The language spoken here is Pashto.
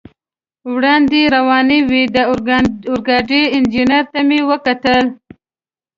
وړاندې روانې وې، د اورګاډي انجنیر ته مې وکتل.